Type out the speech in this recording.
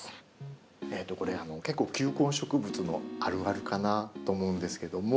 これ結構球根植物のあるあるかなと思うんですけども。